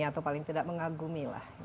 atau paling tidak mengagumi lah